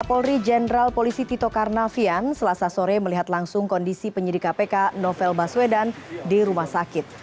kapolri jenderal polisi tito karnavian selasa sore melihat langsung kondisi penyidik kpk novel baswedan di rumah sakit